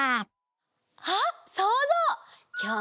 あっそうぞう！